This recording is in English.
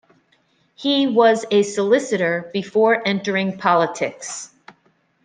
He was a solicitor before entering politics.